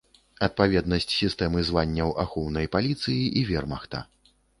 Адпаведнасць сістэмы званняў ахоўнай паліцыі і вермахта.